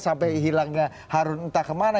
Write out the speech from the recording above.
sampai hilangnya harun entah kemana